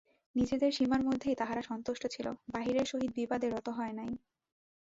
নিজেদের সীমার মধ্যেই তাহারা সন্তুষ্ট ছিল, বাহিরের সহিত বিবাদে রত হয় নাই।